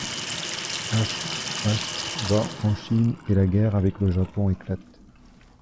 H H va en Chine et la guerre avec le Japon éclate.